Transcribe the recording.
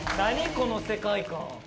この世界観。